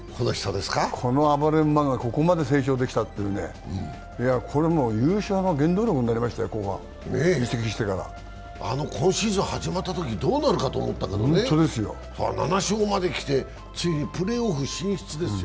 この暴れ馬がここまで成長できたって、これは優勝の原動力になりましたよ、今シーズン始まったとき、どうなるかと思ったけどね、７勝まできてついにプレーオフ進出ですよ。